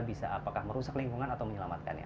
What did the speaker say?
bisa apakah merusak lingkungan atau menyelamatkannya